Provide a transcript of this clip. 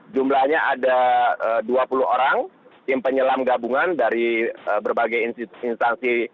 jumlahnya ada dua puluh orang tim penyelam gabungan dari berbagai instansi